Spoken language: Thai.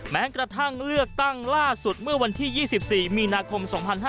แม้กระทั่งเลือกตั้งล่าสุดเมื่อวันที่๒๔มีนาคม๒๕๕๙